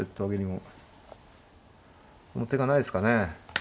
もう手がないですかね。